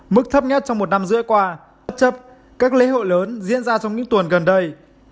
mức thấp nhất trong một năm rưỡi qua bất chấp các lễ hội lớn diễn ra trong những tuần gần đây